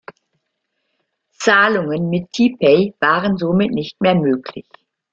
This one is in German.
Zahlungen mit T-Pay waren somit nicht mehr möglich.